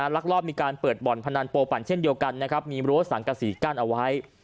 ลักลอบมีการเปิดบ่อนพนันโปปั่นเช่นเดียวกันนะครับมีรั้วสังกษีกั้นเอาไว้